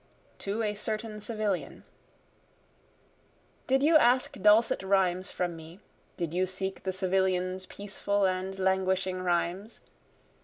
To a Certain Civilian Did you ask dulcet rhymes from me? Did you seek the civilian's peaceful and languishing rhymes?